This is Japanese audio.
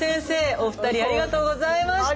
お二人ありがとうございました。